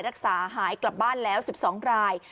รักษาหายกลับบ้านแล้ว๑๒ราย